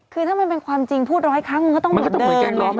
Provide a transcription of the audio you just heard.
คือถ้ามันเป็นความจริงพูดร้อยครั้งมันก็ต้องเหมือนเดิม